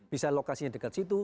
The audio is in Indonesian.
bisa lokasinya dekat situ